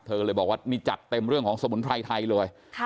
เลยบอกว่านี่จัดเต็มเรื่องของสมุนไพรไทยเลย